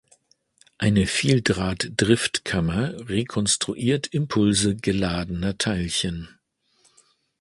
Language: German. Eine Vieldraht-Driftkammer rekonstruiert Impulse geladener Teilchen.